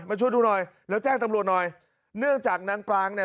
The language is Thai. ช่วยดูหน่อยแล้วแจ้งตำรวจหน่อยเนื่องจากนางกลางเนี่ย